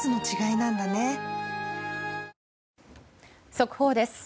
速報です。